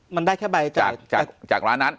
มันได้แค่ใบจากร้านนั้น